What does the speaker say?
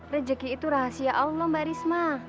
rezeki itu rahasia allah mbak risma